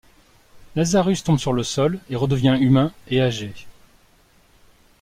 Lazarus tombe sur le sol et redevient humain et âgé.